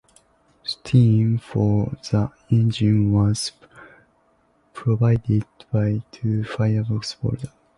Steam for the engine was provided by two firebox boilers.